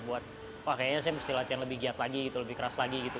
buat wah kayaknya saya mesti latihan lebih giat lagi gitu lebih keras lagi gitu